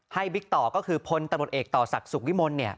บิ๊กต่อก็คือพลตำรวจเอกต่อศักดิ์สุขวิมล